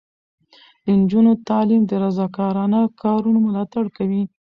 د نجونو تعلیم د رضاکارانه کارونو ملاتړ کوي.